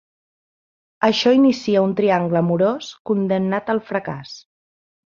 Això inicia un triangle amorós condemnat al fracàs.